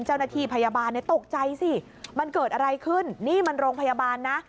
เจ้าหน้าที่พยาบาลตกใจสิมันเกิดอะไรขึ้นนี่มันโรงพยาบาลนะ